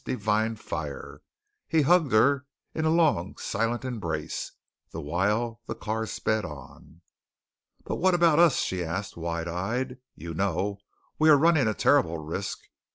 Divine Fire!" He hugged her in a long silent embrace, the while the car sped on. "But what about us?" she asked, wide eyed. "You know we are running a terrible risk.